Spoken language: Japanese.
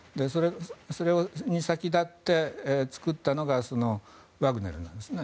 それに先立って作ったのがワグネルなんですね。